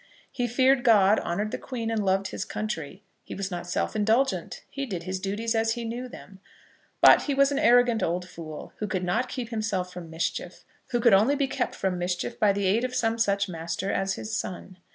He feared God, honoured the Queen, and loved his country. He was not self indulgent. He did his duties as he knew them. But he was an arrogant old fool, who could not keep himself from mischief, who could only be kept from mischief by the aid of some such master as his son.